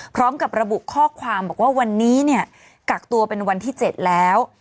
พร้อมกับระบุข้อความบอกว่าวันนี้เนี่ยกักตัวเป็นวันที่๗แล้ว